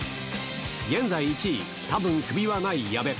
現在１位、たぶんクビはない矢部。